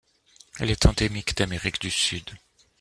Elle est endémique d'Amérique du Sud.